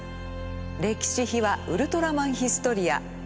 「歴史秘話ウルトラマンヒストリア」。